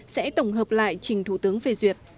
sẽ tổng hợp lại trình thủ tướng phê duyệt